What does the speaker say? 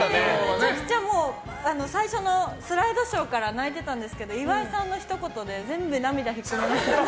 めちゃくちゃ最初のスライドショーから泣いてたんですけど岩井さんのひと言で、全部涙が引っ込みました。